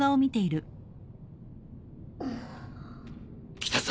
・来たぞ。